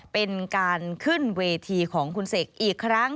เป็นการขึ้นเวทีของคุณเสกอีกครั้ง